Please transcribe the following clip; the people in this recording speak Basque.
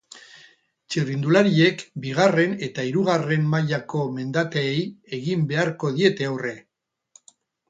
Txirrindulariek bigarren eta hirugarren mailako mendateei egin beharko diete aurre.